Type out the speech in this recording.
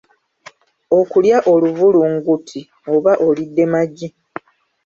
Okulya oluvulunguti oba olidde magi.